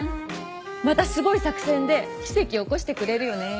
またすごい作戦で奇跡を起こしてくれるよね。